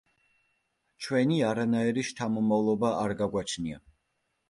ჩვენი არანაირი შთამომავლობა არ გაგვაჩნია.